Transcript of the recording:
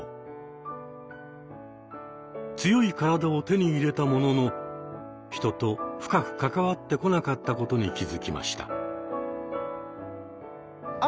強い体を手に入れたものの人と深く関わってこなかったことに気づきました。